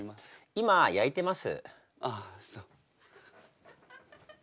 今焼いてます。